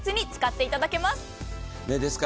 清潔に使っていただけます。